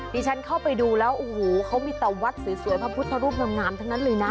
ดิฉันเข้าไปดูแล้วโอ้โหเขามีแต่วัดสวยพระพุทธรูปงามทั้งนั้นเลยนะ